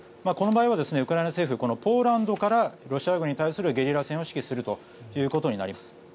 この場合はウクライナ政府ポーランドからロシア軍に対するゲリラ戦を指揮するということになります。